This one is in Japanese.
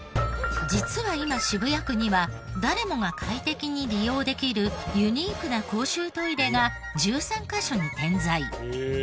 実は今渋谷区には誰もが快適に利用できるユニークな公衆トイレが１３カ所に点在。